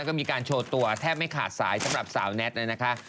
ก็มีการโชว์ตัวแทบไม่ขาดสายสำหรับสาวแน็ตเลยนะคะ